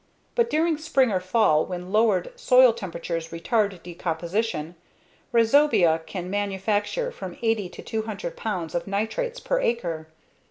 But during spring or fall when lowered soil temperatures retard decomposition, rhizobia can manufacture from 80 to 200 pounds of nitrates per acre.